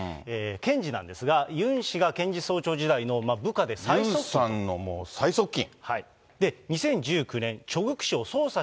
検事なんですが、ユン氏が検事総長時代の部下で、ユンさんの最側近。